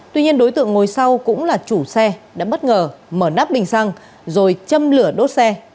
tuy nhiên đối tượng ngồi sau cũng là chủ xe đã bất ngờ mở nắp bình xăng rồi châm lửa đốt xe